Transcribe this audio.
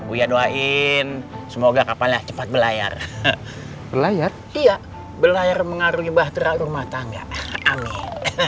uya doain semoga kapalnya cepat belayar belayar belayar mengaruhi bahtera rumah tangga amin